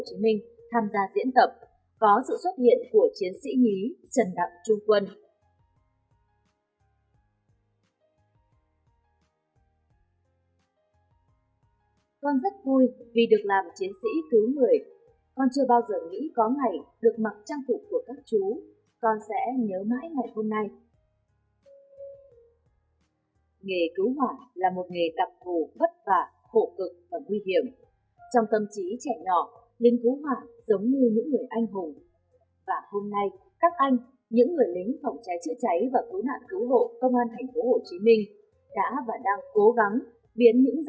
trong tâm trí trẻ nhỏ lính cứu hỏa giống như những người anh hùng trong tâm trí trẻ nhỏ lính cứu hỏa giống như những người anh hùng